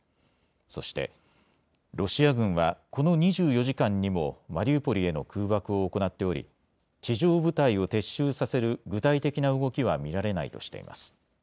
そして、ロシア軍はこの２４時間にもマリウポリへの空爆を行っており地上部隊を撤収させる具体的な動きは見られないとしています。